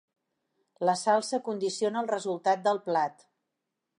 La salsa condiciona el resultat del plat.